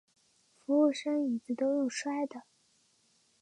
服务生椅子都用摔的